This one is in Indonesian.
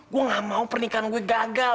gua nggak mau pernikahan gua gagal